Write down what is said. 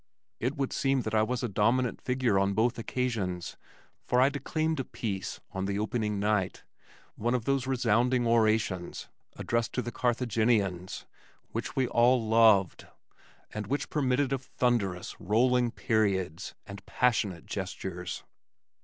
It would seem that I was a dominant figure on both occasions, for I declaimed a "piece" on the opening night, one of those resounding orations (addressed to the Carthaginians), which we all loved, and which permitted of thunderous, rolling periods and passionate gestures.